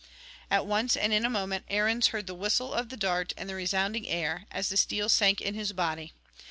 At once and in a moment Arruns heard the whistle of the dart and the resounding air, as the steel sank in his body.